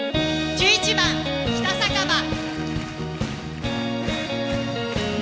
１１番「北酒場」。